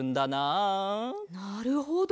なるほど。